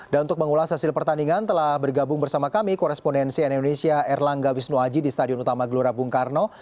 dan untuk mengulas hasil pertandingan telah bergabung bersama kami korespondensi indonesia erlangga wisnuaji di stadion utama gelora bung karno